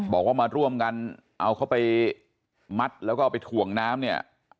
บอกว่ามาร่วมกันเอาเขาไปมัดแล้วก็เอาไปถ่วงน้ำเนี่ย